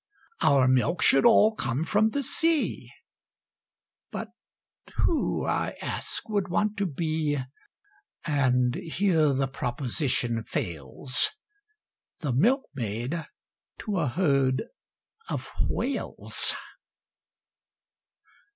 Our milk should all come from the sea, But who, I ask, would want to be, And here the proposition fails, The milkmaid to a herd of Whales?